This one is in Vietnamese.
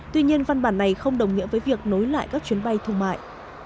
tuy nhiên văn bản này không đồng nghĩa với việc nối lại các chuyến bay thương mại